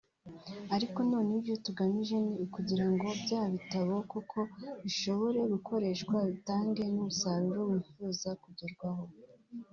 Ariko noneho icyo tugamije ni ukugira ngo bya bitabo koko bishobore gukoreshwa bitange n’umusaruro wifuza kugerwaho